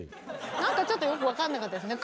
何かちょっとよく分かんなかったですね。